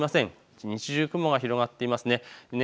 一日中、雲が広がっています。